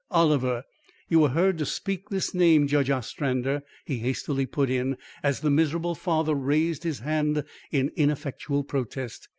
Oliver!' You were heard to speak this name, Judge Ostrander," he hastily put in, as the miserable father raised his hand in ineffectual protest.